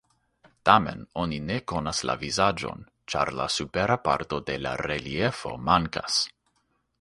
Tamen oni ne konas la vizaĝon, ĉar la supera parto de la reliefo mankas.